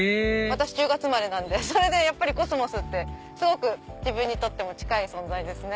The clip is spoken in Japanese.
私１０月生まれなんでそれでコスモスって自分にとっても近い存在ですね。